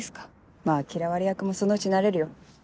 まぁ嫌われ役もそのうち慣れるよ。